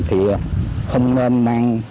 thì không nên mang